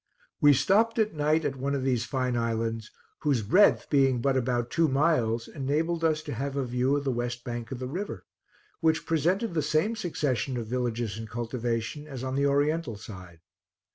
We stopped at night at one of these fine islands, whose breadth being but about two miles, enabled us to have a view of the west bank of the river, which presented the same succession of villages and cultivation as on the oriental side.